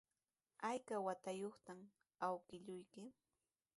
¿Ayka watayuqta awkilluyki?